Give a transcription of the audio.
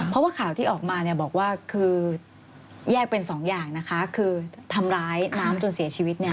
เพราะว่าข่าวที่ออกมาเนี่ยบอกว่าคือแยกเป็นสองอย่างนะคะคือทำร้ายน้ำจนเสียชีวิตเนี่ย